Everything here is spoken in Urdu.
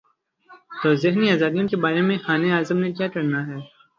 تو ذہنی آزادیوں کے بارے میں خان اعظم نے کیا کرنا ہے۔